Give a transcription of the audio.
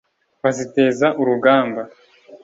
baziteza urugamba